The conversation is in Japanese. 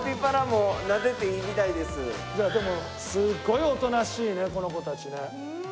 でもすごいおとなしいねこの子たちね。